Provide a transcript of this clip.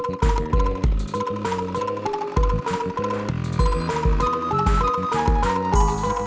waktu komandan telepon